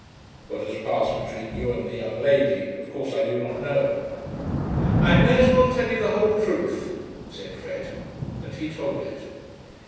"What has passed between you and the young lady, of course I do not know." "I may as well tell you the whole truth," said Fred. And he told it.